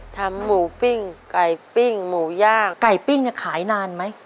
ทำหมูปิ้งไก่ปิ้งหมูย่างไก่ปิ้งเนี่ยขายนานไหม